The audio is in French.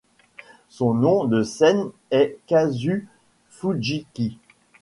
Son nom de scène est Kazue Fujiki.